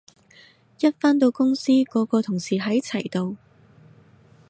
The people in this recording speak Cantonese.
一返到公司個個同事喺齊度